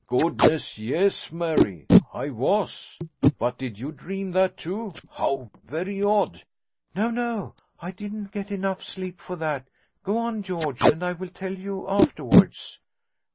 'Goodness! yes, Mary, I was; but did you dream that too? How very odd!' 'No, no; I didn't get enough sleep for that. Go on, George, and I will tell you afterwards.'